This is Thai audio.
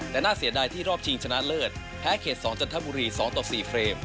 แต่น่าเสียดายที่รอบชิงชนะเลิศแพ้เขต๒จันทบุรี๒ต่อ๔เฟรม